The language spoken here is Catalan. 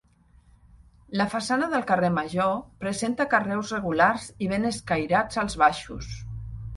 La façana del carrer Major presenta carreus regulars i ben escairats als baixos.